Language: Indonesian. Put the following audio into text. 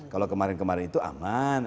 kalau kemarin kemarin itu aman